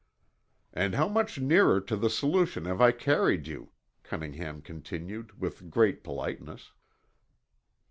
"And how much nearer to the solution have I carried you?" Cunningham continued with great politeness.